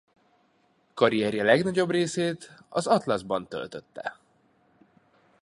Karrierje legnagyobb részét az Atlasban töltötte.